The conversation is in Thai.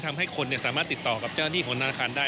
ทำให้คนสามารถติดต่อกับเจ้าหน้าที่ของธนาคารได้